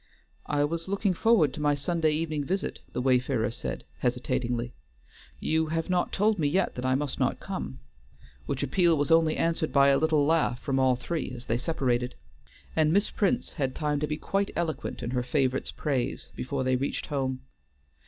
"I was looking forward to my Sunday evening visit," the wayfarer said hesitatingly; "you have not told me yet that I must not come;" which appeal was only answered by a little laugh from all three, as they separated. And Miss Prince had time to be quite eloquent in her favorite's praise before they reached home.